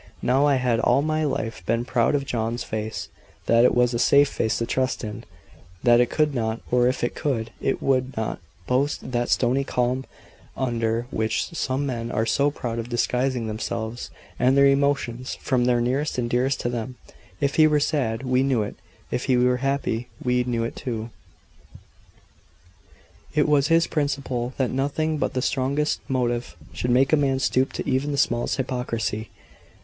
Now I had all my life been proud of John's face that it was a safe face to trust in that it could not, or if it could, it would not, boast that stony calm under which some men are so proud of disguising themselves and their emotions from those nearest and dearest to them. If he were sad, we knew it; if he were happy, we knew it too. It was his principle, that nothing but the strongest motive should make a man stoop to even the smallest hypocrisy.